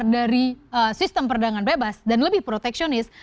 dari sistem perdagangan bebas dan lebih proteksionis